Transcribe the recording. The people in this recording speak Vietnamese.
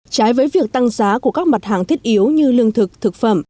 trái với việc tăng giá của các mặt hàng thiết yếu như lương thực thực phẩm